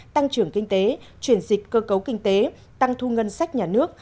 tăng trưởng kinh tế chuyển dịch cơ cấu kinh tế tăng thu ngân sách nhà nước